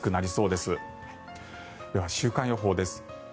では、週間予報です。